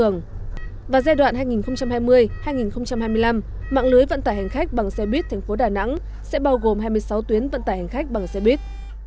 năm hai nghìn hai mươi hai nghìn hai mươi năm mạng lưới vận tải hành khách bằng xe buýt tp đà nẵng sẽ bao gồm hai mươi sáu tuyến vận tải hành khách bằng xe buýt